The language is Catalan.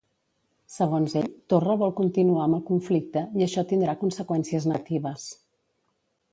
Segons ell, Torra vol continuar amb el conflicte i això tindrà conseqüències negatives.